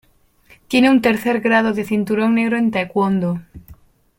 Tiene un tercer grado de cinturón negro en Taekwondo.